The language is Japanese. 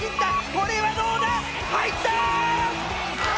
これはどうだ⁉入った！